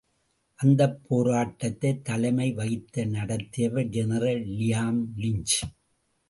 அந்த போராட்டத்தைத் தலைமை வகித்து நடத்தியவர் ஜெனரல் லியாம் லிஞ்ச்